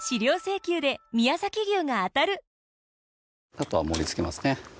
あとは盛りつけますね